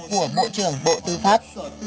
của bộ trưởng bộ tư pháp